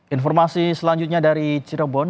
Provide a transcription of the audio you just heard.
informasi selanjutnya dari cirebon